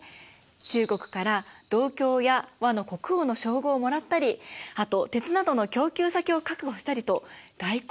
中国から銅鏡や倭の国王の称号をもらったりあと鉄などの供給先を確保したりと外交もしていたんです。